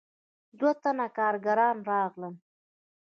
دوه تنه کارګران راغلل.